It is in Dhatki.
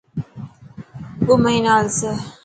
ٻه مهنا هلسي.